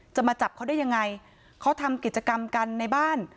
มาจับเขาได้ยังไงเขาทำกิจกรรมกันในบ้าน